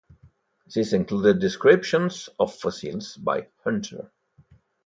This included descriptions of fossils by Hunter.